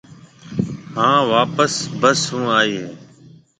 هانَ واپس بس هون آئي هيَ۔